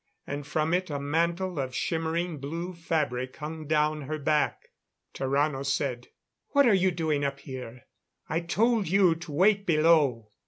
And from it, a mantle of shimmering blue fabric hung down her back. Tarrano said: "What are you doing up here? I told you to wait below."